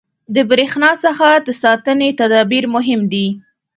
• د برېښنا څخه د ساتنې تدابیر مهم دي.